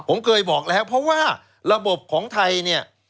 ผมเคยบอกแล้วเพราะว่าระบบของไทยเนี่ย